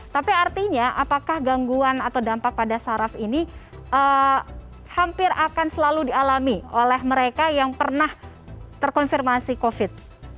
tapi artinya apakah gangguan atau dampak pada saraf ini hampir akan selalu dialami oleh mereka yang pernah terkonfirmasi covid